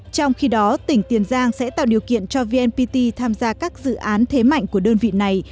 trong khi đó tỉnh tiền giang sẽ tạo điều kiện cho vnpt tham gia các dự án thế mạnh của đơn vị này